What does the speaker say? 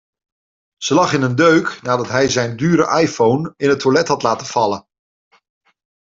Ze lag in een deuk nadat hij zijn dure iPhone in het toilet had laten vallen.